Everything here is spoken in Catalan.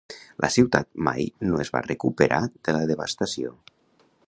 La ciutat mai no es va recuperar de la devastació.